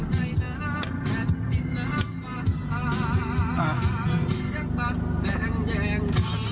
แม่งแม่ง